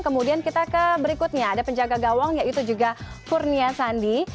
kemudian kita ke berikutnya ada penjaga gawang yaitu juga kurnia sandi